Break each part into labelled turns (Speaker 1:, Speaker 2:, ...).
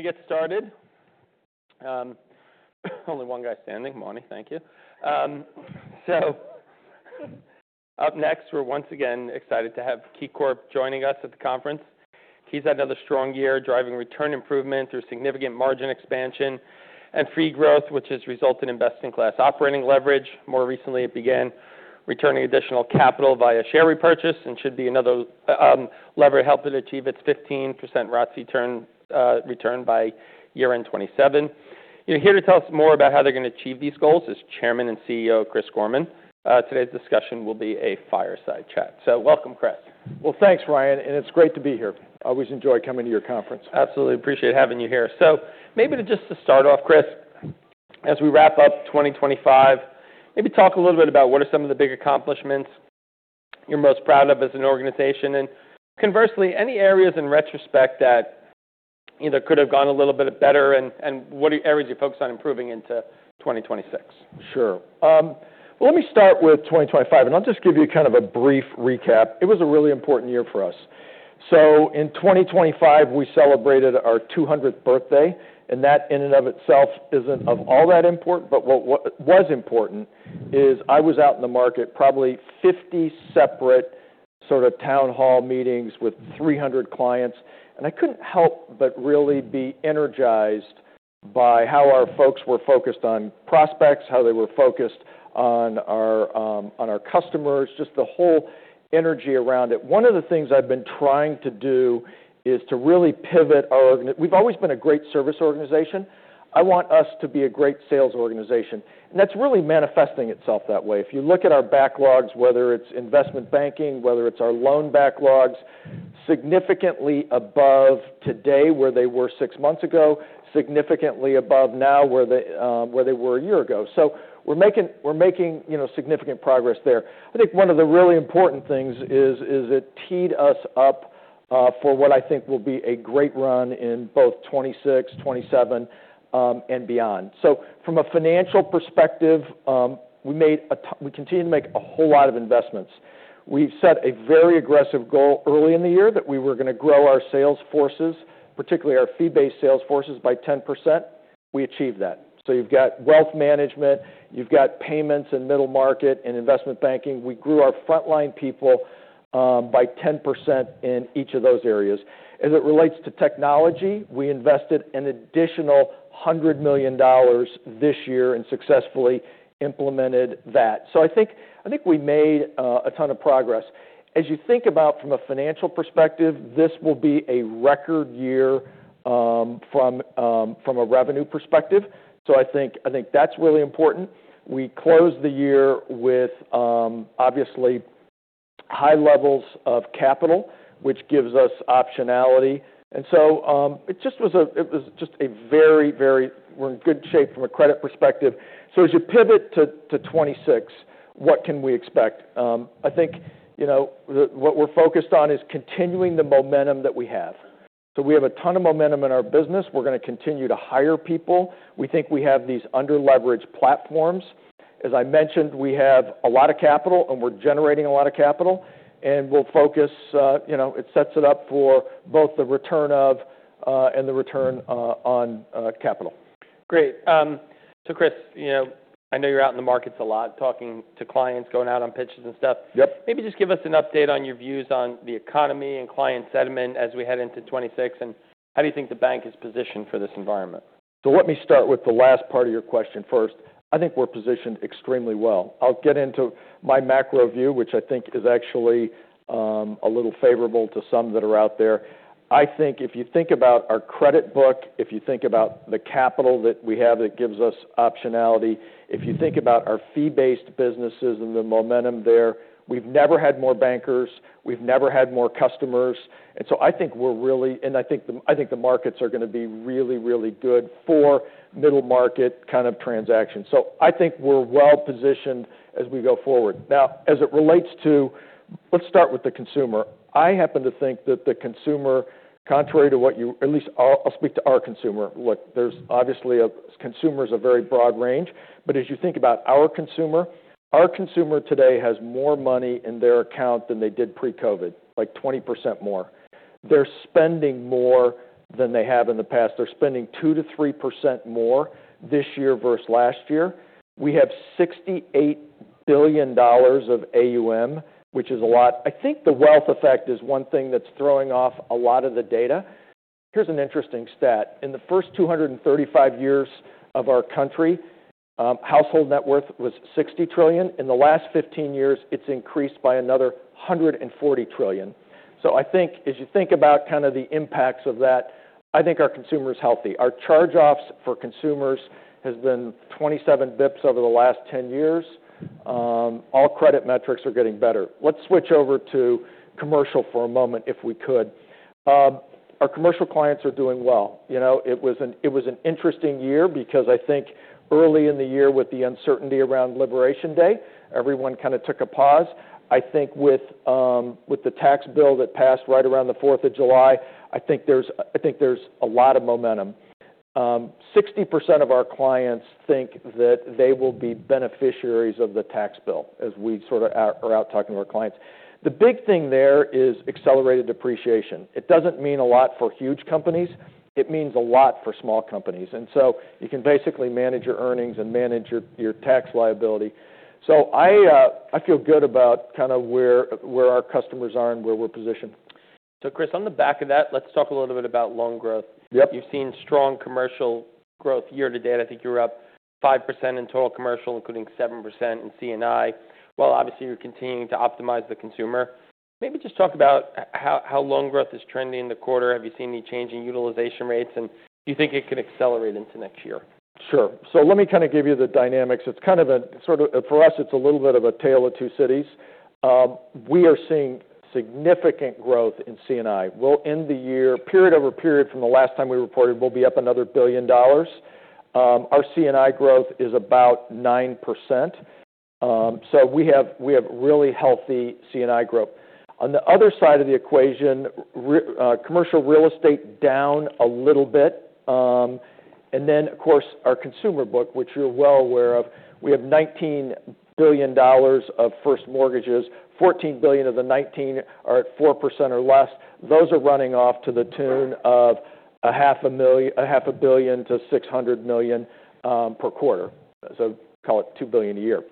Speaker 1: Gonna get started. Only one guy standing. [Mauney], thank you. So up next, we're once again excited to have KeyCorp joining us at the conference. Key had another strong year, driving return improvement through significant margin expansion and fee growth, which has resulted in best-in-class operating leverage. More recently, it began returning additional capital via share repurchase and should be another lever helping to achieve its 15% ROTCE return by year-end 2027. You're here to tell us more about how they're gonna achieve these goals as Chairman and CEO Chris Gorman. Today's discussion will be a fireside chat. So welcome, Chris.
Speaker 2: Thanks, Ryan, and it's great to be here. Always enjoy coming to your conference.
Speaker 1: Absolutely. Appreciate having you here. So maybe just to start off, Chris, as we wrap up 2025, maybe talk a little bit about what are some of the big accomplishments you're most proud of as an organization and conversely, any areas in retrospect that either could have gone a little bit better and what areas you focus on improving into 2026?
Speaker 2: Sure. Well, let me start with 2025, and I'll just give you kind of a brief recap. It was a really important year for us. So in 2025, we celebrated our 200th birthday, and that in and of itself isn't of all that importance, but what, what was important is I was out in the market, probably 50 separate sort of town hall meetings with 300 clients, and I couldn't help but really be energized by how our folks were focused on prospects, how they were focused on our, on our customers, just the whole energy around it. One of the things I've been trying to do is to really pivot our org—we've always been a great service organization. I want us to be a great sales organization, and that's really manifesting itself that way. If you look at our backlogs, whether it's investment banking, whether it's our loan backlogs, significantly above today where they were six months ago, significantly above now where they, where they were a year ago. So we're making, we're making, you know, significant progress there. I think one of the really important things is, is it teed us up, for what I think will be a great run in both 2026, 2027, and beyond. So from a financial perspective, we continue to make a whole lot of investments. We've set a very aggressive goal early in the year that we were gonna grow our sales forces, particularly our fee-based sales forces, by 10%. We achieved that. So you've got wealth management, you've got payments and middle market and investment banking. We grew our frontline people, by 10% in each of those areas. As it relates to technology, we invested an additional $100 million this year and successfully implemented that, so I think, I think we made a ton of progress. As you think about from a financial perspective, this will be a record year, from, from a revenue perspective, so I think, I think that's really important. We closed the year with, obviously high levels of capital, which gives us optionality, and so, we're in good shape from a credit perspective, so as you pivot to, to 2026, what can we expect? I think, you know, what we're focused on is continuing the momentum that we have, so we have a ton of momentum in our business. We're gonna continue to hire people. We think we have these under-leveraged platforms. As I mentioned, we have a lot of capital, and we're generating a lot of capital, and we'll focus, you know, it sets it up for both the return of, and the return on, capital.
Speaker 1: Great. So Chris, you know, I know you're out in the markets a lot, talking to clients, going out on pitches and stuff.
Speaker 2: Yep.
Speaker 1: Maybe just give us an update on your views on the economy and client sentiment as we head into 2026, and how do you think the bank is positioned for this environment?
Speaker 2: So let me start with the last part of your question first. I think we're positioned extremely well. I'll get into my macro view, which I think is actually a little favorable to some that are out there. I think if you think about our credit book, if you think about the capital that we have that gives us optionality, if you think about our fee-based businesses and the momentum there, we've never had more bankers. We've never had more customers. And so I think we're really, and I think the markets are gonna be really, really good for middle market kind of transactions. So I think we're well-positioned as we go forward. Now, as it relates to. Let's start with the consumer. I happen to think that the consumer, contrary to what you, at least I'll speak to our consumer. Look, there's obviously a consumer's a very broad range, but as you think about our consumer, our consumer today has more money in their account than they did pre-COVID, like 20% more. They're spending more than they have in the past. They're spending 2%-3% more this year versus last year. We have $68 billion of AUM, which is a lot. I think the wealth effect is one thing that's throwing off a lot of the data. Here's an interesting stat. In the first 235 years of our country, household net worth was $60 trillion. In the last 15 years, it's increased by another $140 trillion. So I think as you think about kind of the impacts of that, I think our consumer's healthy. Our charge-offs for consumers have been 27 bps over the last 10 years. All credit metrics are getting better. Let's switch over to commercial for a moment if we could. Our commercial clients are doing well. You know, it was an, it was an interesting year because I think early in the year with the uncertainty around Liberation Day, everyone kind of took a pause. I think with, with the tax bill that passed right around the 4th of July, I think there's, I think there's a lot of momentum. 60% of our clients think that they will be beneficiaries of the tax bill as we sort of are out talking to our clients. The big thing there is accelerated depreciation. It doesn't mean a lot for huge companies. It means a lot for small companies. And so you can basically manage your earnings and manage your, your tax liability. So I, I feel good about kind of where, where our customers are and where we're positioned.
Speaker 1: So Chris, on the back of that, let's talk a little bit about loan growth.
Speaker 2: Yep.
Speaker 1: You've seen strong commercial growth year-to-date. I think you were up 5% in total commercial, including 7% in C&I. Well, obviously, you're continuing to optimize the consumer. Maybe just talk about how loan growth is trending in the quarter. Have you seen any change in utilization rates, and do you think it could accelerate into next year?
Speaker 2: Sure. So let me kind of give you the dynamics. It's kind of a sort of, for us, it's a little bit of a tale of two cities. We are seeing significant growth in C&I. We'll end the year period-over-period from the last time we reported, we'll be up another $1 billion. Our C&I growth is about 9%. So we have, we have really healthy C&I growth. On the other side of the equation, our commercial real estate down a little bit. And then, of course, our consumer book, which you're well aware of, we have $19 billion of first mortgages. $14 billion of the $19 billion are at 4% or less. Those are running off to the tune of $500 million-$600 million per quarter. So call it $2 billion a year.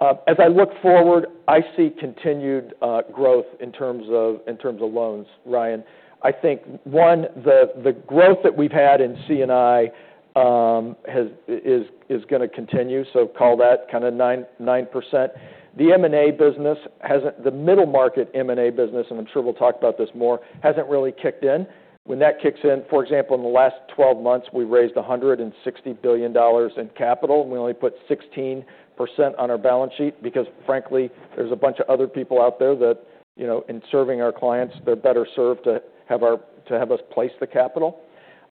Speaker 2: As I look forward, I see continued growth in terms of loans, Ryan. I think the growth that we've had in C&I is gonna continue. So call that kind of 9%. The M&A business hasn't, the middle market M&A business, and I'm sure we'll talk about this more, hasn't really kicked in. When that kicks in, for example, in the last 12 months, we raised $160 billion in capital, and we only put 16% on our balance sheet because, frankly, there's a bunch of other people out there that, you know, in serving our clients, they're better served to have us place the capital.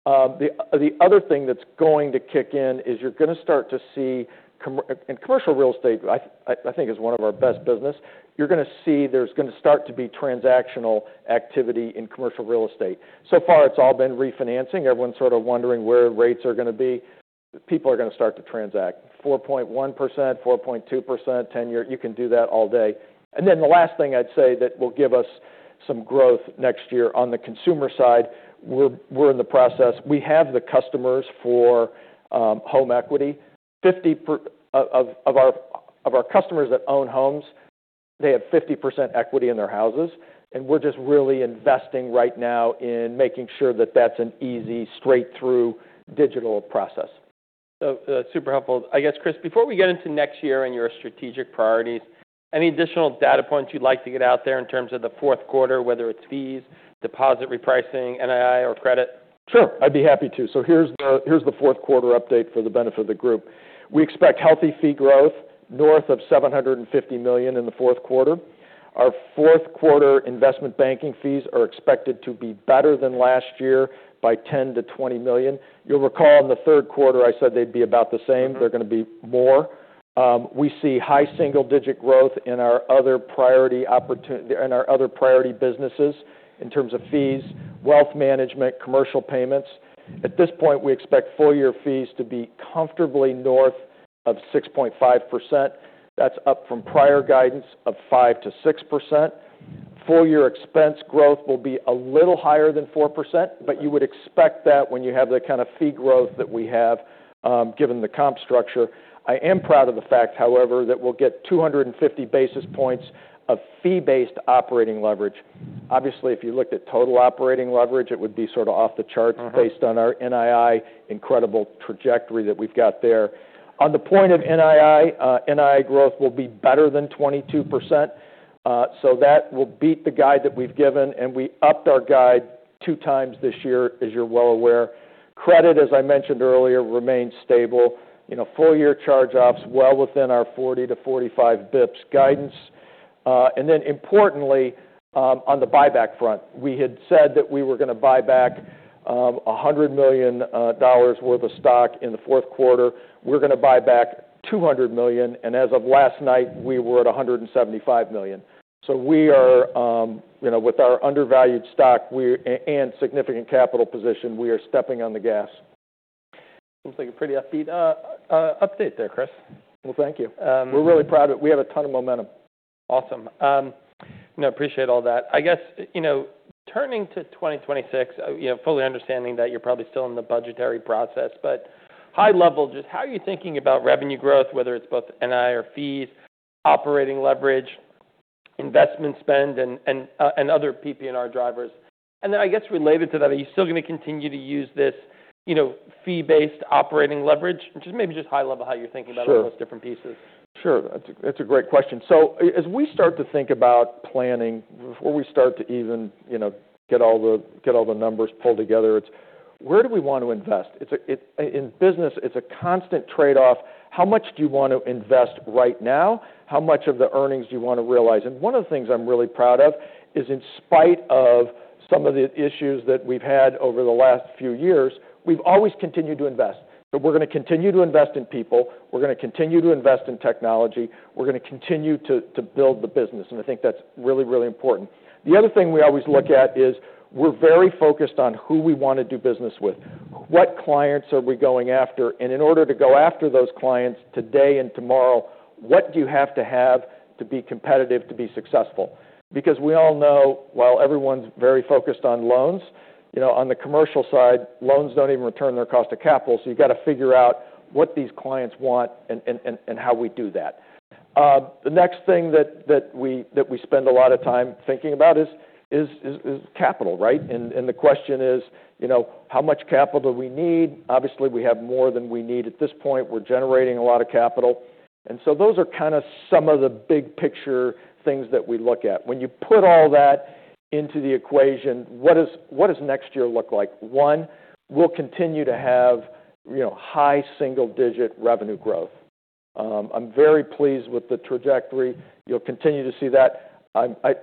Speaker 2: The other thing that's going to kick in is you're gonna start to see commercial real estate. I think is one of our best business. You're gonna see there's gonna start to be transactional activity in commercial real estate. So far, it's all been refinancing. Everyone's sort of wondering where rates are gonna be. People are gonna start to transact 4.1%, 4.2%, 10-year. You can do that all day. And then the last thing I'd say that will give us some growth next year on the consumer side, we're in the process. We have the customers for home equity. 50% of our customers that own homes, they have 50% equity in their houses, and we're just really investing right now in making sure that that's an easy, straight-through digital process.
Speaker 1: So, super helpful. I guess, Chris, before we get into next year and your strategic priorities, any additional data points you'd like to get out there in terms of the fourth quarter, whether it's fees, deposit repricing, NII, or credit?
Speaker 2: Sure. I'd be happy to. So here's the fourth quarter update for the benefit of the group. We expect healthy fee growth north of $750 million in the fourth quarter. Our fourth quarter Investment Banking fees are expected to be better than last year by $10 million-$20 million. You'll recall in the third quarter, I said they'd be about the same. They're gonna be more. We see high single-digit growth in our other priority opportunities in our other priority businesses in terms of fees, Wealth Management, Commercial Payments. At this point, we expect full-year fees to be comfortably north of 6.5%. That's up from prior guidance of 5%-6%. Full-year expense growth will be a little higher than 4%, but you would expect that when you have the kind of fee growth that we have, given the comp structure. I am proud of the fact, however, that we'll get 250 basis points of fee-based operating leverage. Obviously, if you looked at total operating leverage, it would be sort of off the chart based on our NII incredible trajectory that we've got there. On the point of NII, NII growth will be better than 22%. So that will beat the guide that we've given, and we upped our guide two times this year, as you're well aware. Credit, as I mentioned earlier, remains stable. You know, full-year charge-offs well within our 40 bps-45 bps guidance. And then importantly, on the buyback front, we had said that we were gonna buy back $100 million worth of stock in the fourth quarter. We're gonna buy back $200 million, and as of last night, we were at $175 million. So we are, you know, with our undervalued stock and significant capital position, we are stepping on the gas.
Speaker 1: Sounds like a pretty upbeat update there, Chris.
Speaker 2: Thank you. We're really proud of it. We have a ton of momentum.
Speaker 1: Awesome. No, appreciate all that. I guess, you know, turning to 2026, you know, fully understanding that you're probably still in the budgetary process, but high level, just how are you thinking about revenue growth, whether it's both NII or fees, operating leverage, investment spend, and other PPNR drivers? Then I guess related to that, are you still gonna continue to use this, you know, fee-based operating leverage? Just maybe high level how you're thinking about.
Speaker 2: Sure.
Speaker 1: Those different pieces.
Speaker 2: Sure. That's a great question, so as we start to think about planning, before we start to even, you know, get all the numbers pulled together, it's where do we want to invest? In business, it's a constant trade-off. How much do you want to invest right now? How much of the earnings do you want to realize, and one of the things I'm really proud of is in spite of some of the issues that we've had over the last few years, we've always continued to invest, so we're gonna continue to invest in people. We're gonna continue to invest in technology. We're gonna continue to build the business, and I think that's really, really important. The other thing we always look at is we're very focused on who we want to do business with, what clients are we going after. And in order to go after those clients today and tomorrow, what do you have to have to be competitive, to be successful? Because we all know, while everyone's very focused on loans, you know, on the commercial side, loans don't even return their cost of capital. So you gotta figure out what these clients want and how we do that. The next thing that we spend a lot of time thinking about is capital, right? And the question is, you know, how much capital do we need? Obviously, we have more than we need at this point. We're generating a lot of capital. And so those are kind of some of the big picture things that we look at. When you put all that into the equation, what does next year look like? One, we'll continue to have, you know, high single-digit revenue growth. I'm very pleased with the trajectory. You'll continue to see that.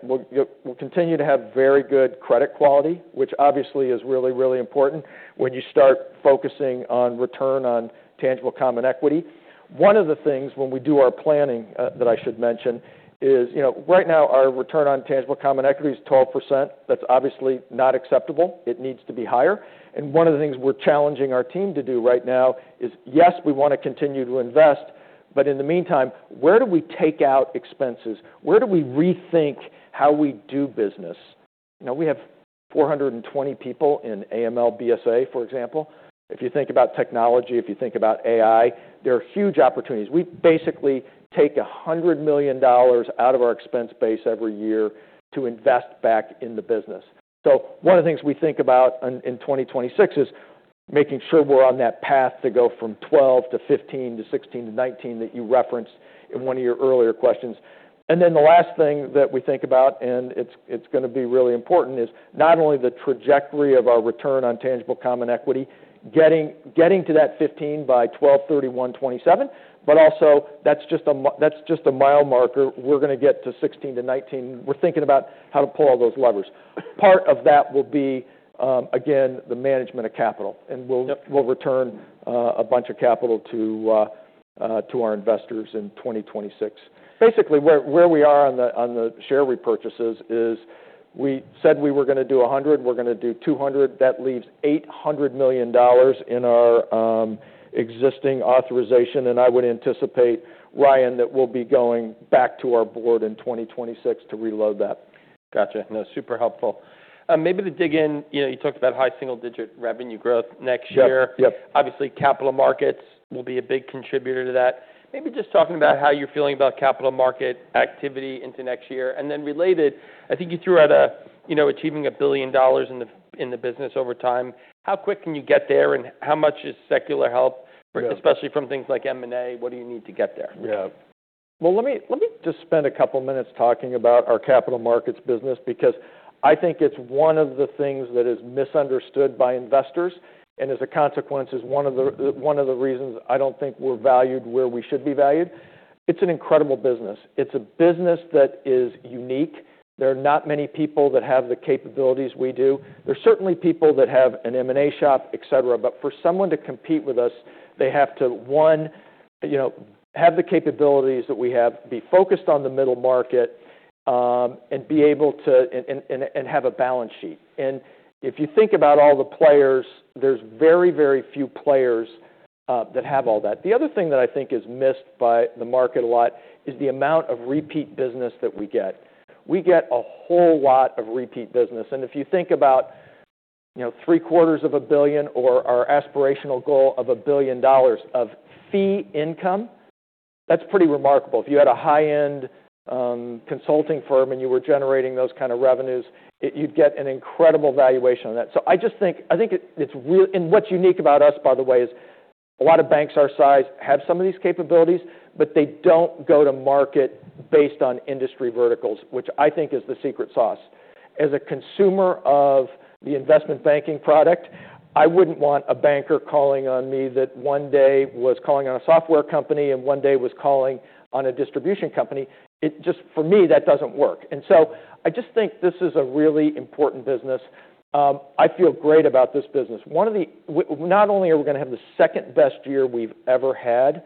Speaker 2: We'll continue to have very good credit quality, which obviously is really, really important when you start focusing on return on tangible common equity. One of the things when we do our planning, that I should mention is, you know, right now our return on tangible common equity is 12%. That's obviously not acceptable. It needs to be higher. And one of the things we're challenging our team to do right now is, yes, we want to continue to invest, but in the meantime, where do we take out expenses? Where do we rethink how we do business? You know, we have 420 people in AML/BSA, for example. If you think about technology, if you think about AI, there are huge opportunities. We basically take $100 million out of our expense base every year to invest back in the business. So one of the things we think about in 2026 is making sure we're on that path to go from 12 to 15 to 16 to 19 that you referenced in one of your earlier questions. Then the last thing that we think about, and it's gonna be really important, is not only the trajectory of our return on tangible common equity, getting to that 15 by 12/31/2027, but also that's just a mile marker. We're gonna get to 16 to 19. We're thinking about how to pull all those levers. Part of that will be, again, the management of capital. And we'll.
Speaker 1: Yep.
Speaker 2: We'll return a bunch of capital to our investors in 2026. Basically, where we are on the share repurchases is we said we were gonna do $100 million. We're gonna do $200 million. That leaves $800 million in our existing authorization. I would anticipate, Ryan, that we'll be going back to our board in 2026 to reload that.
Speaker 1: Gotcha. No, super helpful. Maybe to dig in, you know, you talked about high single-digit revenue growth next year.
Speaker 2: Yep. Yep.
Speaker 1: Obviously, capital markets will be a big contributor to that. Maybe just talking about how you're feeling about capital market activity into next year. And then related, I think you threw out a, you know, achieving $1 billion in the business over time. How quick can you get there and how much is secular help?
Speaker 2: Right.
Speaker 1: Especially from things like M&A? What do you need to get there?
Speaker 2: Yeah. Well, let me just spend a couple of minutes talking about our capital markets business because I think it's one of the things that is misunderstood by investors and as a consequence is one of the reasons I don't think we're valued where we should be valued. It's an incredible business. It's a business that is unique. There are not many people that have the capabilities we do. There's certainly people that have an M&A shop, etc., but for someone to compete with us, they have to, one, you know, have the capabilities that we have, be focused on the middle market, and be able to have a balance sheet. And if you think about all the players, there's very, very few players that have all that. The other thing that I think is missed by the market a lot is the amount of repeat business that we get. We get a whole lot of repeat business. And if you think about, you know, $750 million or our aspirational goal of $1 billion of fee income, that's pretty remarkable. If you had a high-end, consulting firm and you were generating those kind of revenues, you'd get an incredible valuation on that. So I just think, I think it's really, and what's unique about us, by the way, is a lot of banks our size have some of these capabilities, but they don't go to market based on industry verticals, which I think is the secret sauce. As a consumer of the investment banking product, I wouldn't want a banker calling on me that one day was calling on a software company and one day was calling on a distribution company. It just, for me, that doesn't work, and so I just think this is a really important business. I feel great about this business. We not only are gonna have the second best year we've ever had,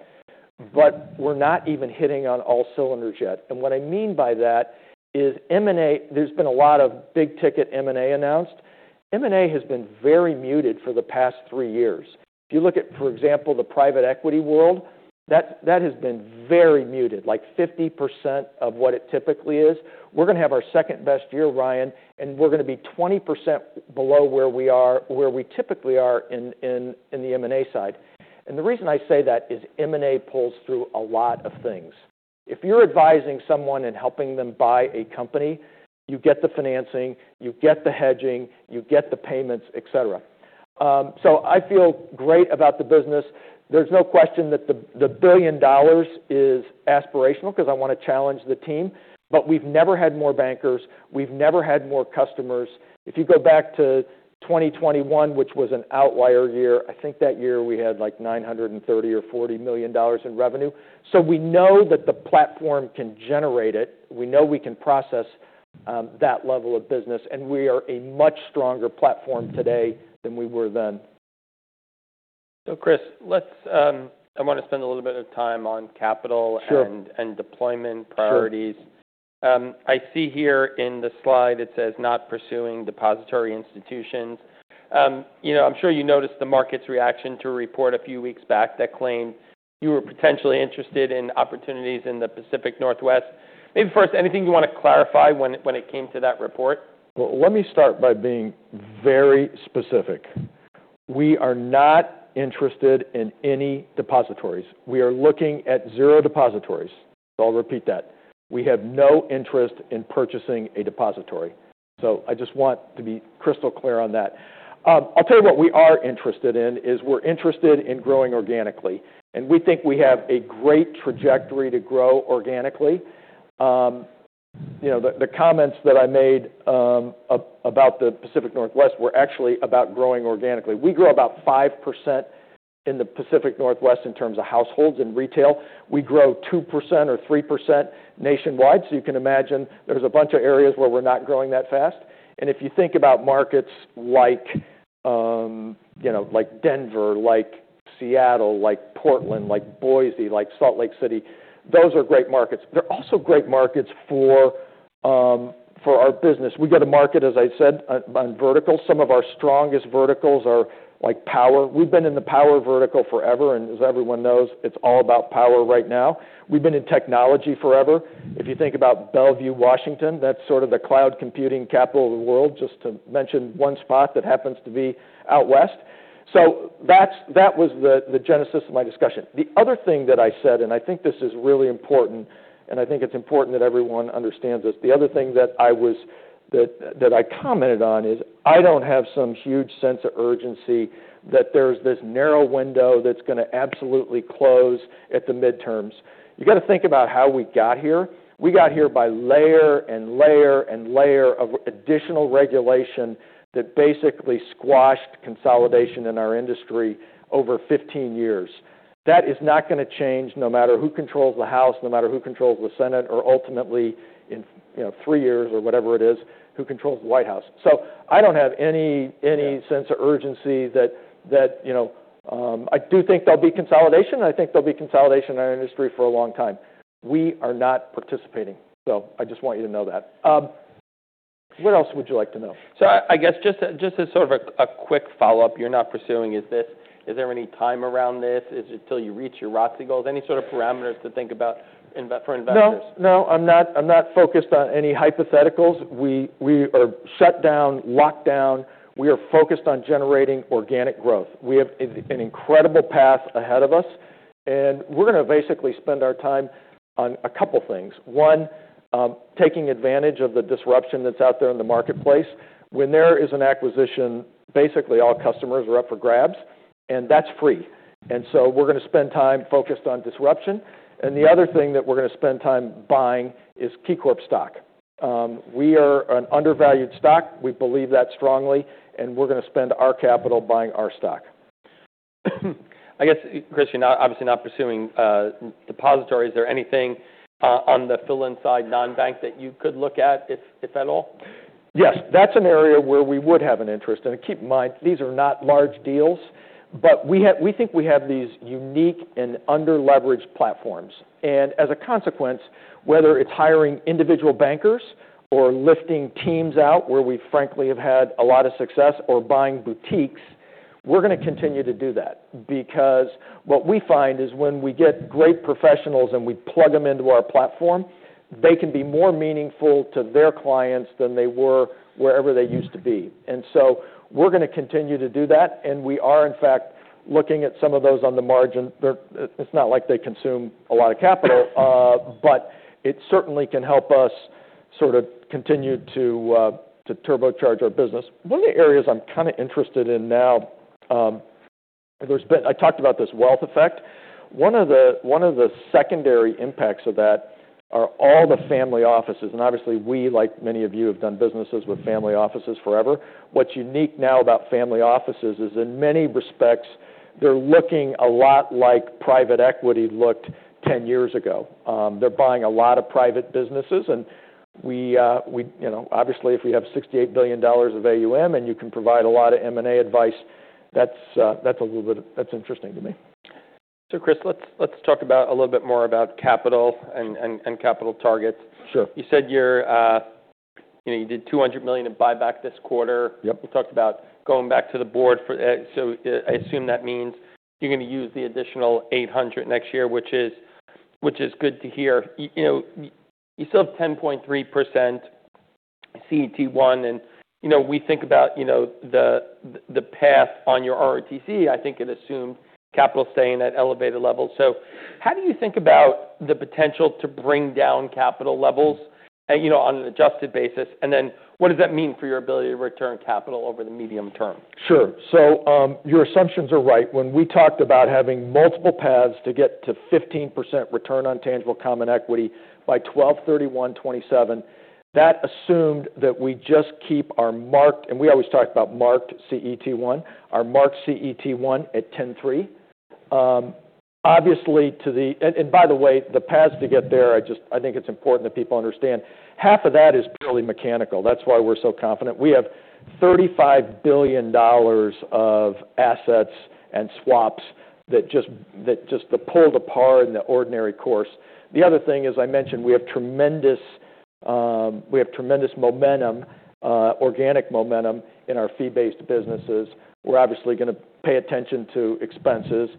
Speaker 2: but we're not even hitting on all cylinders yet. And what I mean by that is M&A; there's been a lot of big-ticket M&A announced. M&A has been very muted for the past three years. If you look at, for example, the private equity world, that has been very muted, like 50% of what it typically is. We're gonna have our second best year, Ryan, and we're gonna be 20% below where we are, where we typically are in the M&A side. And the reason I say that is M&A pulls through a lot of things. If you're advising someone and helping them buy a company, you get the financing, you get the hedging, you get the payments, etc. so I feel great about the business. There's no question that the $1 billion is aspirational 'cause I wanna challenge the team, but we've never had more bankers. We've never had more customers. If you go back to 2021, which was an outlier year, I think that year we had like $930 million or $940 million in revenue. So we know that the platform can generate it. We know we can process that level of business, and we are a much stronger platform today than we were then.
Speaker 1: So, Chris, let's. I wanna spend a little bit of time on capital.
Speaker 2: Sure.
Speaker 1: And deployment priorities.
Speaker 2: Sure.
Speaker 1: I see here in the slide it says not pursuing depository institutions. You know, I'm sure you noticed the market's reaction to a report a few weeks back that claimed you were potentially interested in opportunities in the Pacific Northwest. Maybe first, anything you wanna clarify when it came to that report?
Speaker 2: Let me start by being very specific. We are not interested in any depositories. We are looking at zero depositories. So I'll repeat that. We have no interest in purchasing a depository. So I just want to be crystal clear on that. I'll tell you what we are interested in is we're interested in growing organically, and we think we have a great trajectory to grow organically. You know, the comments that I made about the Pacific Northwest were actually about growing organically. We grow about 5% in the Pacific Northwest in terms of households and retail. We grow 2% or 3% nationwide. So you can imagine there's a bunch of areas where we're not growing that fast, and if you think about markets like, you know, like Denver, like Seattle, like Portland, like Boise, like Salt Lake City, those are great markets. They're also great markets for our business. We go to market, as I said, on verticals. Some of our strongest verticals are like power. We've been in the power vertical forever, and as everyone knows, it's all about power right now. We've been in technology forever. If you think about Bellevue, Washington, that's sort of the cloud computing capital of the world, just to mention one spot that happens to be out west. So that's, that was the genesis of my discussion. The other thing that I said, and I think this is really important, and I think it's important that everyone understands this, the other thing that I was, that I commented on is I don't have some huge sense of urgency that there's this narrow window that's gonna absolutely close at the midterms. You gotta think about how we got here. We got here by layer and layer and layer of additional regulation that basically squashed consolidation in our industry over 15 years. That is not gonna change no matter who controls the House, no matter who controls the Senate, or ultimately in, you know, three years or whatever it is, who controls the White House. So I don't have any sense of urgency that, you know, I do think there'll be consolidation. I think there'll be consolidation in our industry for a long time. We are not participating. So I just want you to know that. What else would you like to know?
Speaker 1: So, I guess just a sort of a quick follow-up. You're not pursuing this? Is there any timeline around this? Is it till you reach your ROTCE goals? Any sort of parameters to think about in view for investors?
Speaker 2: No, no. I'm not, I'm not focused on any hypotheticals. We, we are shut down, locked down. We are focused on generating organic growth. We have an incredible path ahead of us, and we're gonna basically spend our time on a couple of things. One, taking advantage of the disruption that's out there in the marketplace. When there is an acquisition, basically all customers are up for grabs, and that's free. And so we're gonna spend time focused on disruption. And the other thing that we're gonna spend time buying is KeyCorp stock. We are an undervalued stock. We believe that strongly, and we're gonna spend our capital buying our stock.
Speaker 1: I guess, Chris, you're not obviously not pursuing depository. Is there anything, on the fill-in side, non-bank, that you could look at if, if at all?
Speaker 2: Yes. That's an area where we would have an interest. And keep in mind, these are not large deals, but we have, we think we have these unique and under-leveraged platforms. And as a consequence, whether it's hiring individual bankers or lifting teams out where we frankly have had a lot of success or buying boutiques, we're gonna continue to do that because what we find is when we get great professionals and we plug them into our platform, they can be more meaningful to their clients than they were wherever they used to be. And so we're gonna continue to do that. And we are, in fact, looking at some of those on the margin. They're, it's not like they consume a lot of capital, but it certainly can help us sort of continue to turbocharge our business. One of the areas I'm kinda interested in now. There's been... I talked about this wealth effect. One of the, one of the secondary impacts of that are all the family offices. And obviously, we, like many of you, have done businesses with family offices forever. What's unique now about family offices is in many respects, they're looking a lot like private equity looked 10 years ago. They're buying a lot of private businesses. And we, we, you know, obviously, if we have $68 billion of AUM and you can provide a lot of M&A advice, that's, that's a little bit, that's interesting to me.
Speaker 1: Chris, let's talk about a little bit more about capital and capital targets.
Speaker 2: Sure.
Speaker 1: You said you're, you know, you did $200 million in buyback this quarter.
Speaker 2: Yep.
Speaker 1: You talked about going back to the board for, so I, I assume that means you're gonna use the additional $800 million next year, which is, which is good to hear. You, you know, you still have 10.3% CET1. And, you know, we think about, you know, the path on your ROTCE, I think it assumed capital staying at elevated levels. So how do you think about the potential to bring down capital levels, you know, on an adjusted basis? And then what does that mean for your ability to return capital over the medium term?
Speaker 2: Sure. So, your assumptions are right. When we talked about having multiple paths to get to 15% return on tangible common equity by 12/31/2027, that assumed that we just keep our marked, and we always talk about marked CET1, our marked CET1 at 10.3%. Obviously, and by the way, the paths to get there, I think it's important that people understand half of that is purely mechanical. That's why we're so confident. We have $35 billion of assets in swaps that just get pulled apart in the ordinary course. The other thing is I mentioned we have tremendous organic momentum in our fee-based businesses. We're obviously gonna pay attention to expenses.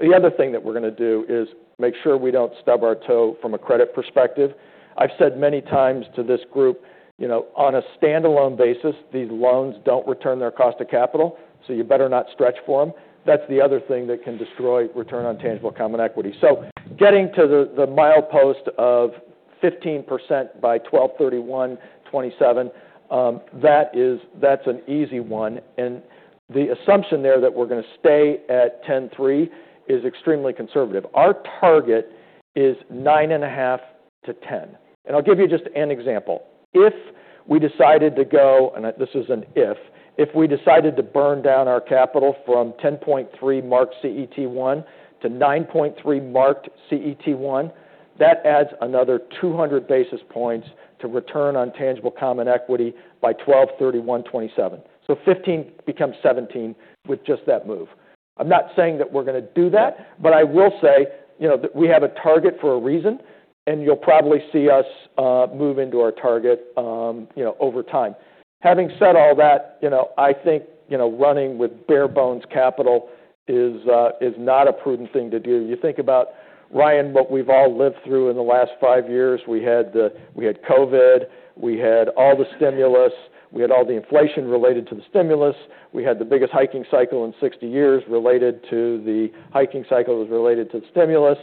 Speaker 2: The other thing that we're gonna do is make sure we don't stub our toe from a credit perspective. I've said many times to this group, you know, on a standalone basis, these loans don't return their cost of capital, so you better not stretch for them. That's the other thing that can destroy return on tangible common equity. So getting to the milepost of 15% by 12/31/2027, that is, that's an easy one. And the assumption there that we're gonna stay at 10.3% is extremely conservative. Our target is 9.5%-10%. And I'll give you just an example. If we decided to go, and this is an if, if we decided to burn down our capital from 10.3% marked CET1 to 9.3% marked CET1, that adds another 200 basis points to return on tangible common equity by 12/31/2027. So 15% becomes 17% with just that move. I'm not saying that we're gonna do that, but I will say, you know, that we have a target for a reason, and you'll probably see us move into our target, you know, over time. Having said all that, you know, I think, you know, running with bare bones capital is not a prudent thing to do. You think about, Ryan, what we've all lived through in the last five years. We had COVID. We had all the stimulus. We had all the inflation related to the stimulus. We had the biggest hiking cycle in 60 years related to the hiking cycle that was related to the stimulus.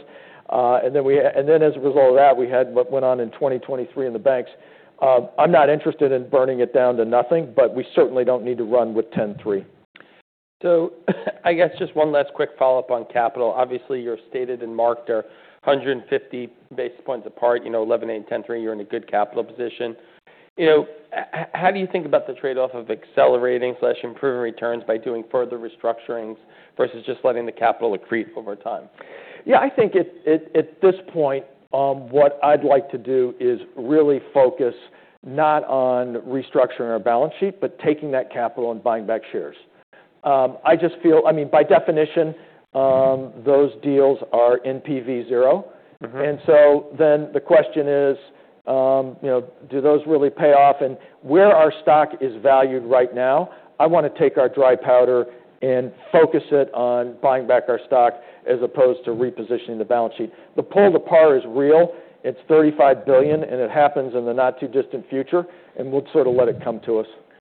Speaker 2: And then, as a result of that, we had what went on in 2023 in the banks. I'm not interested in burning it down to nothing, but we certainly don't need to run with 10.3%.
Speaker 1: So I guess just one last quick follow-up on capital. Obviously, your stated and market are 150 basis points apart, you know, 11.8%, 10.3%. You're in a good capital position. You know, how do you think about the trade-off of accelerating/improving returns by doing further restructurings versus just letting the capital accrete over time?
Speaker 2: Yeah. I think at this point, what I'd like to do is really focus not on restructuring our balance sheet, but taking that capital and buying back shares. I just feel, I mean, by definition, those deals are NPV zero.
Speaker 1: Mm-hmm.
Speaker 2: And so then the question is, you know, do those really pay off? And where our stock is valued right now, I wanna take our dry powder and focus it on buying back our stock as opposed to repositioning the balance sheet. The pull-to-par is real. It's $35 billion, and it happens in the not too distant future, and we'll sort of let it come to us.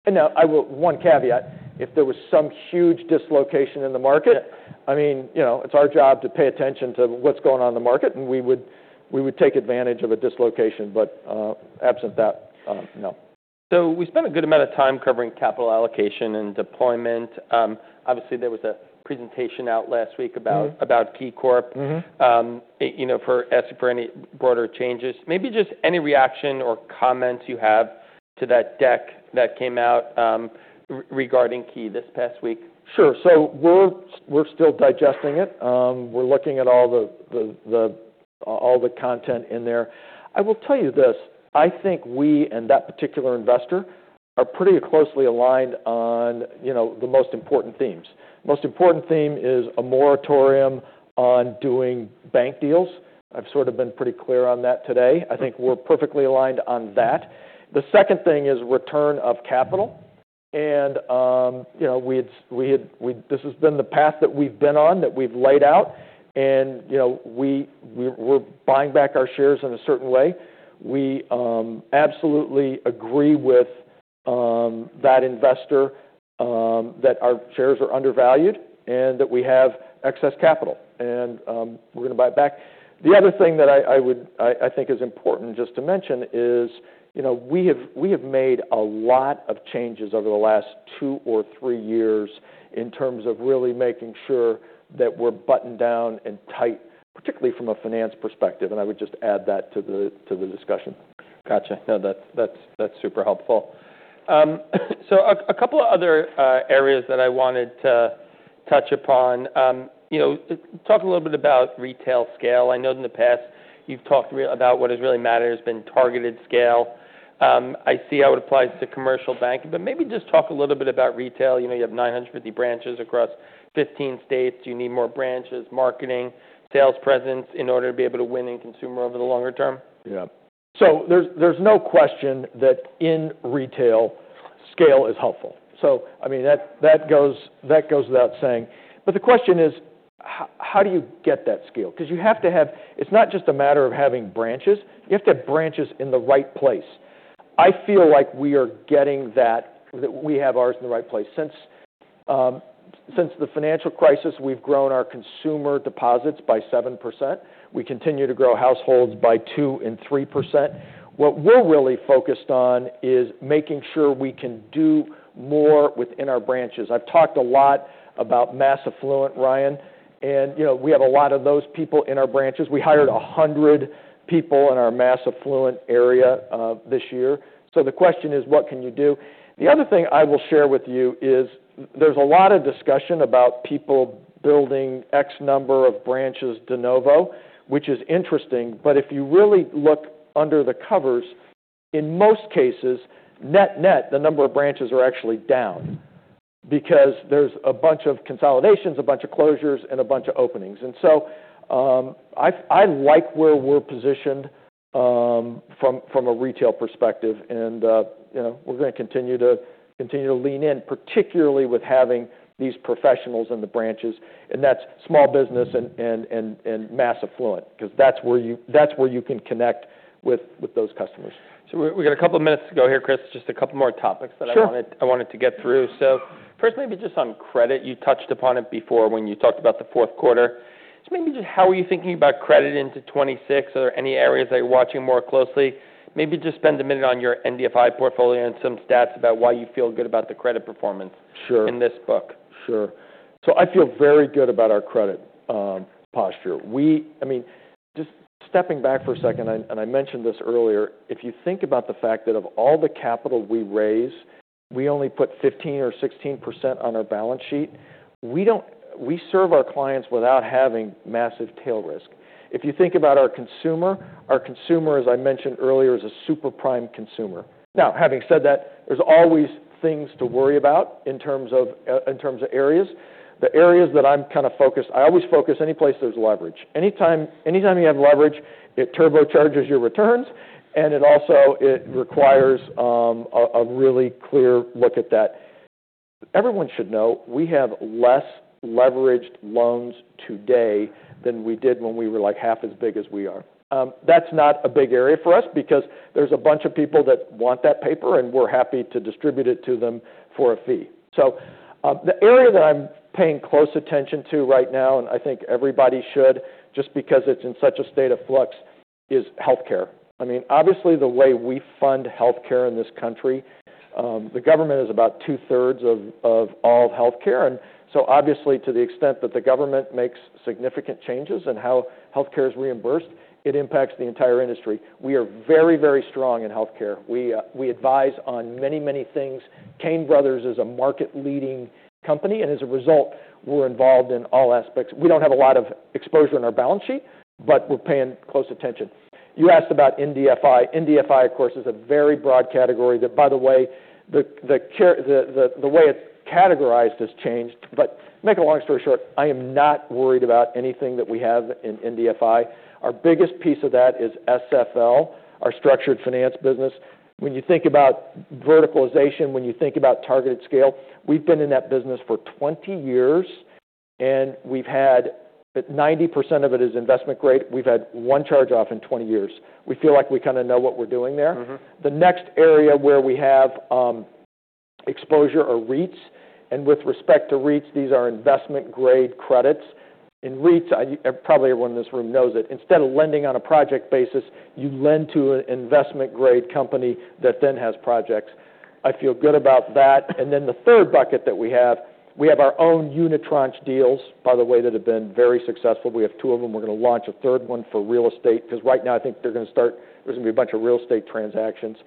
Speaker 2: And now I will, one caveat, if there was some huge dislocation in the market.
Speaker 1: Yeah.
Speaker 2: I mean, you know, it's our job to pay attention to what's going on in the market, and we would take advantage of a dislocation. But, absent that, no.
Speaker 1: So we spent a good amount of time covering capital allocation and deployment. Obviously, there was a presentation out last week about.
Speaker 2: Mm-hmm.
Speaker 1: About KeyCorp.
Speaker 2: Mm-hmm.
Speaker 1: You know, for asking for any broader changes. Maybe just any reaction or comments you have to that deck that came out, regarding Key this past week.
Speaker 2: Sure. So we're still digesting it. We're looking at all the content in there. I will tell you this. I think we and that particular investor are pretty closely aligned on, you know, the most important themes. The most important theme is a moratorium on doing bank deals. I've sort of been pretty clear on that today. I think we're perfectly aligned on that. The second thing is return of capital. You know, this has been the path that we've been on that we've laid out. You know, we were buying back our shares in a certain way. We absolutely agree with that investor that our shares are undervalued and that we have excess capital. We're gonna buy it back. The other thing that I would think is important just to mention is, you know, we have made a lot of changes over the last two or three years in terms of really making sure that we're buttoned down and tight, particularly from a finance perspective, and I would just add that to the discussion.
Speaker 1: Gotcha. No, that's super helpful. So a couple of other areas that I wanted to touch upon, you know, talk a little bit about retail scale. I know in the past you've talked about what has really mattered has been targeted scale. I see how it applies to commercial banking, but maybe just talk a little bit about retail. You know, you have 950 branches across 15 states. Do you need more branches, marketing, sales presence in order to be able to win in consumer over the longer term?
Speaker 2: Yeah. So there's no question that in retail, scale is helpful. So, I mean, that goes without saying. But the question is, how do you get that scale? 'Cause you have to have, it's not just a matter of having branches. You have to have branches in the right place. I feel like we are getting that we have ours in the right place. Since the financial crisis, we've grown our consumer deposits by 7%. We continue to grow households by 2% and 3%. What we're really focused on is making sure we can do more within our branches. I've talked a lot about mass affluent, Ryan, and, you know, we have a lot of those people in our branches. We hired 100 people in our mass affluent area, this year. So the question is, what can you do? The other thing I will share with you is there's a lot of discussion about people building X number of branches de novo, which is interesting. But if you really look under the covers, in most cases, net-net, the number of branches are actually down because there's a bunch of consolidations, a bunch of closures, and a bunch of openings. And so, I like where we're positioned, from a retail perspective. And, you know, we're gonna continue to lean in, particularly with having these professionals in the branches. And that's small business and mass affluent 'cause that's where you can connect with those customers.
Speaker 1: So we got a couple of minutes to go here, Chris. Just a couple more topics that I wanted.
Speaker 2: Sure.
Speaker 1: I wanted to get through. So first, maybe just on credit. You touched upon it before when you talked about the fourth quarter. Just maybe how are you thinking about credit into 2026? Are there any areas that you're watching more closely? Maybe just spend a minute on your NDFI portfolio and some stats about why you feel good about the credit performance.
Speaker 2: Sure.
Speaker 1: In this book.
Speaker 2: Sure. So I feel very good about our credit posture. We, I mean, just stepping back for a second, and I mentioned this earlier, if you think about the fact that of all the capital we raise, we only put 15% or 16% on our balance sheet, we don't, we serve our clients without having massive tail risk. If you think about our consumer, our consumer, as I mentioned earlier, is a super prime consumer. Now, having said that, there's always things to worry about in terms of areas. The areas that I'm kinda focused, I always focus any place there's leverage. Anytime you have leverage, it turbocharges your returns, and it also it requires a really clear look at that. Everyone should know we have less leveraged loans today than we did when we were like half as big as we are. That's not a big area for us because there's a bunch of people that want that paper, and we're happy to distribute it to them for a fee. So, the area that I'm paying close attention to right now, and I think everybody should, just because it's in such a state of flux, is healthcare. I mean, obviously, the way we fund healthcare in this country, the government is about 2/3 of all healthcare. And so obviously, to the extent that the government makes significant changes in how healthcare is reimbursed, it impacts the entire industry. We are very, very strong in healthcare. We advise on many, many things. Cain Brothers is a market-leading company. And as a result, we're involved in all aspects. We don't have a lot of exposure in our balance sheet, but we're paying close attention. You asked about NDFI. NDFI, of course, is a very broad category that, by the way, the way it's categorized has changed. But to make a long story short, I am not worried about anything that we have in NDFI. Our biggest piece of that is SFL, our structured finance business. When you think about verticalization, when you think about targeted scale, we've been in that business for 20 years, and we've had, but 90% of it is investment grade. We've had one charge-off in 20 years. We feel like we kinda know what we're doing there.
Speaker 1: Mm-hmm.
Speaker 2: The next area where we have exposure are REITs, and with respect to REITs, these are investment-grade credits. In REITs, I probably everyone in this room knows it. Instead of lending on a project basis, you lend to an investment-grade company that then has projects. I feel good about that, and then the third bucket that we have, our own unitranche deals, by the way, that have been very successful. We have two of them. We're gonna launch a third one for real estate 'cause right now I think they're gonna start, there's gonna be a bunch of real estate transactions,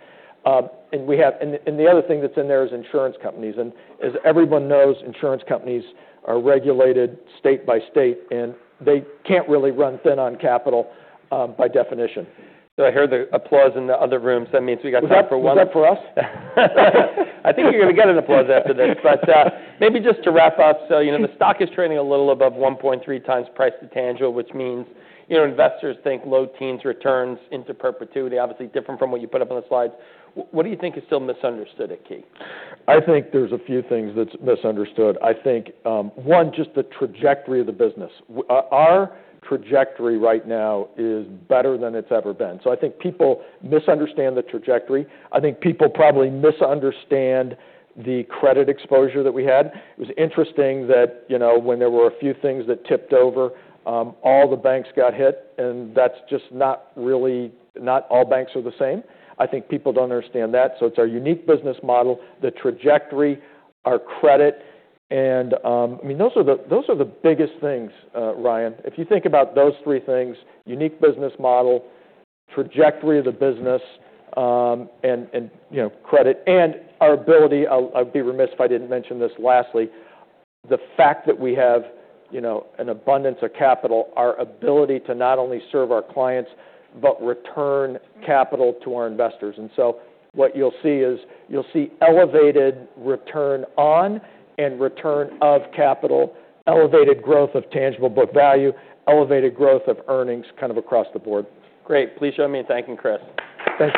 Speaker 2: and the other thing that's in there is insurance companies, and as everyone knows, insurance companies are regulated state by state, and they can't really run thin on capital, by definition.
Speaker 1: So I heard the applause in the other room. So that means we got time for one.
Speaker 2: Was that for us?
Speaker 1: I think you're gonna get an applause after this. But, maybe just to wrap up, so, you know, the stock is trading a little above 1.3x price to tangible, which means, you know, investors think low-teens returns into perpetuity, obviously different from what you put up on the slides. What do you think is still misunderstood at Key?
Speaker 2: I think there's a few things that's misunderstood. I think, one, just the trajectory of the business. Our trajectory right now is better than it's ever been. So I think people misunderstand the trajectory. I think people probably misunderstand the credit exposure that we had. It was interesting that, you know, when there were a few things that tipped over, all the banks got hit, and that's just not really, not all banks are the same. I think people don't understand that. So it's our unique business model, the trajectory, our credit, and, I mean, those are the, those are the biggest things, Ryan. If you think about those three things, unique business model, trajectory of the business, and you know, credit, and our ability, I'll be remiss if I didn't mention this lastly, the fact that we have, you know, an abundance of capital, our ability to not only serve our clients but return capital to our investors. And so what you'll see is you'll see elevated return on and return of capital, elevated growth of tangible book value, elevated growth of earnings kind of across the board.
Speaker 1: Great. Please show me a thank you, Chris.
Speaker 2: Thanks.